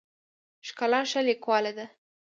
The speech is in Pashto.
ښکلا ښه لیکواله ده.